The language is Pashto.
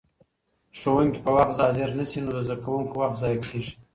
که ښوونکي په وخت حاضر نه شي نو د زده کوونکو وخت ضایع کېږي.